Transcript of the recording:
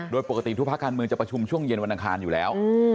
โดยปกติทุกภาคการเมืองจะประชุมช่วงเย็นวันอังคารอยู่แล้ว